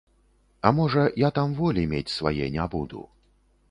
А можа, я там волі мець свае не буду.